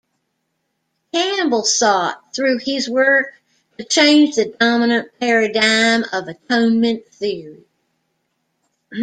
Campbell sought, through his work, to change the dominant paradigm of atonement theory.